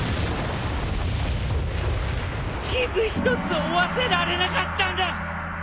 傷一つ負わせられなかったんだ。